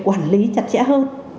quản lý chặt chẽ hơn